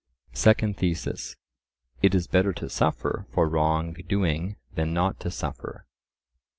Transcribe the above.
Second Thesis:— It is better to suffer for wrong doing than not to suffer.